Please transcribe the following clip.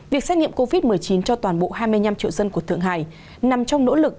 việc xét nghiệm covid một mươi chín cho toàn bộ hai mươi năm triệu dân của thượng hải nằm trong nỗ lực